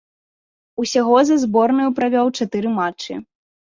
Усяго за зборную правёў чатыры матчы.